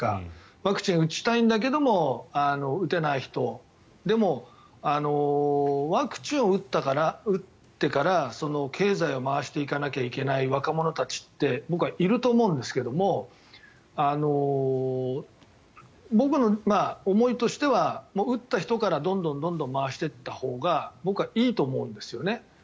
ワクチンを打ちたいんだけども打てない人でも、ワクチンを打ってから経済を回していかなきゃいけない若者たちって僕はいると思うんですけども僕の思いとしては、打った人からどんどん回していったほうが僕はいいと思うんですよね。